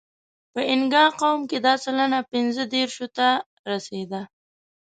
په اینګا قوم کې دا سلنه پینځهدېرشو ته رسېده.